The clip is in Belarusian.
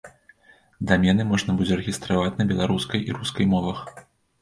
Дамены можна будзе рэгістраваць на беларускай і рускай мовах.